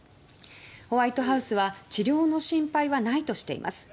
ホワイトハウスは治療の必要はないとしています。